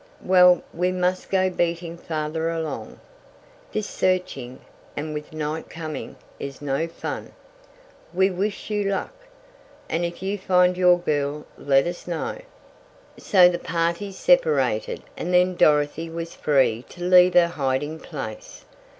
Well, we must go beating farther along. This searching, and with night coming, is no fun. We wish you luck, and if you find your girl let us know." So the parties separated and then Dorothy was free to leave her hiding place.